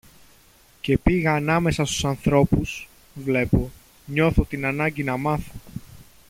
και πήγα ανάμεσα στους ανθρώπους, βλέπω, νιώθω την ανάγκη να μάθω.